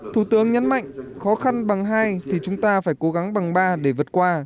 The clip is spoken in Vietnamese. thủ tướng nhấn mạnh khó khăn bằng hai thì chúng ta phải cố gắng bằng ba để vượt qua